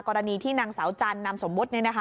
กรณีที่นางสาวจันนามสมมุติเนี่ยนะคะ